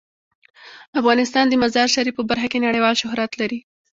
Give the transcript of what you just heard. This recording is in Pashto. افغانستان د مزارشریف په برخه کې نړیوال شهرت لري.